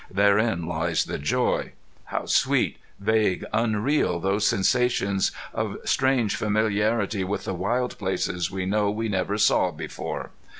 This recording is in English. Therein lies the joy. How sweet, vague, unreal those sensations of strange familiarity with wild places we know we never saw before!